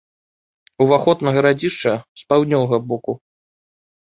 Уваход на гарадзішча з паўднёвага боку.